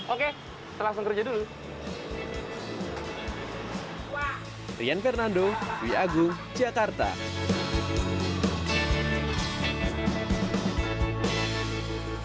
oke kita langsung kerja dulu